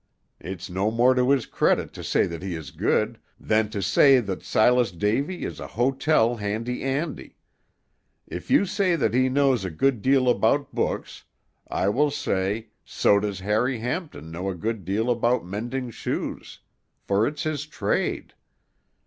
It's no more to his credit to say that he is good, than to say that Silas Davy is a hotel Handy Andy. If you say that he knows a good deal about books, I will say, so does Hearty Hampton know a good deal about mending shoes, for it's his trade.